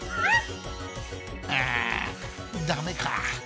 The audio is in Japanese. あダメか。